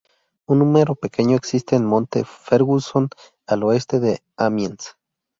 Un número pequeño existe en Monte Ferguson al oeste de Amiens.